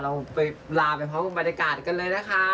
เราไปลาไปพร้อมกับบรรยากาศกันเลยนะคะ